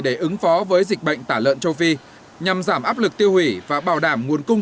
để ứng phó với dịch bệnh tả lợn châu phi nhằm giảm áp lực tiêu hủy và bảo đảm nguồn cung